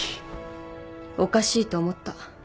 おかしいと思った。